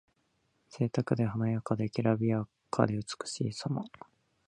ぜいたくで華やかで、きらびやかで美しいさま。